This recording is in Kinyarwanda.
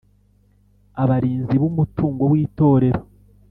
Abarinzi b Umutungo w Itorero